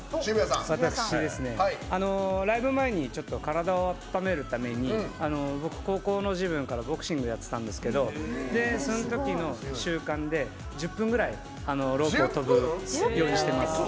ライブ前に体をあっためるために僕、高校の時分からボクシングやってたんですけどそのときの習慣で１０分ぐらいロープを跳ぶようにしてます。